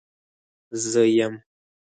زه يم.